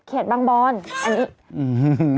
เขตบางบอนอันนี้